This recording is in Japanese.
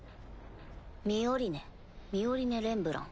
ミオリネミオリネ・レンブラン。